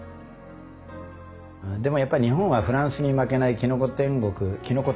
でもやっぱ日本はフランスに負けないきのこ天国きのこ